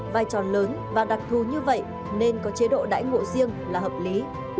vai trò lớn và đặc thù như vậy nên có chế độ đãi ngộ riêng là hợp lý